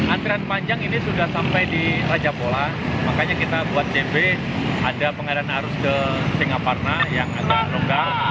antrian panjang ini sudah sampai di raja pola makanya kita buat cb ada pengadaan arus ke singaparna yang agak rongga